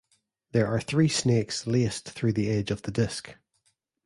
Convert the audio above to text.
There are three snakes laced through the edge of the disc.